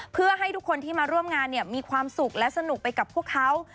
เพื่อให้ทุกคนที่มาร่วมงานมีความสุขและสนุกไปกับพวกเขา